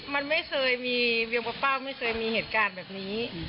มันไม่เคยมีเวียงกระเป้าไม่เคยมีเหตุการณ์แบบนี้